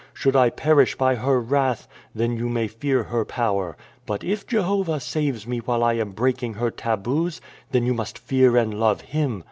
Should I perish by her wrath, then you may fear her power. But if Jehovah saves me while I am breaking her tahus^ then you must fear and love Him.